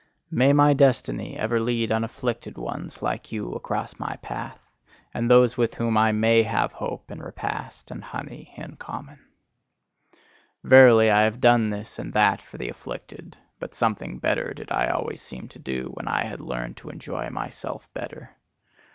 May my destiny ever lead unafflicted ones like you across my path, and those with whom I MAY have hope and repast and honey in common! Verily, I have done this and that for the afflicted: but something better did I always seem to do when I had learned to enjoy myself better.